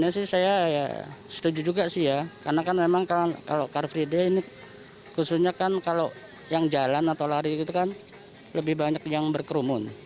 saya sih saya ya setuju juga sih ya karena kan memang kalau car free day ini khususnya kan kalau yang jalan atau lari gitu kan lebih banyak yang berkerumun